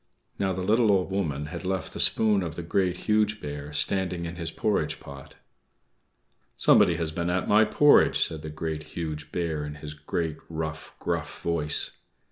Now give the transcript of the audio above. Now, the little Old Woman had left the spoon of the Great, Huge Bear standing in his porridge pot. "=Somebody has been at my porridge!=" said the Great, Huge Bear, in his great, rough, gruff voice.